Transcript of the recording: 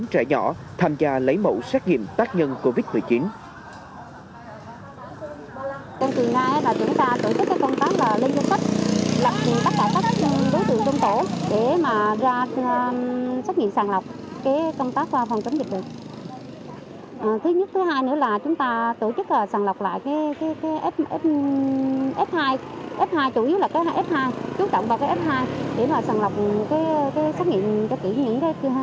các trại nhỏ tham gia lấy mẫu xét nghiệm tác nhân covid một mươi chín